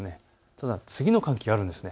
ただ次の寒気があるんです。